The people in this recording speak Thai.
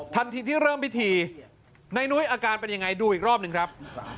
ทันทีที่เริ่มพิธีในนุ้ยอาการเป็นยังไงดูอีกรอบหนึ่งครับ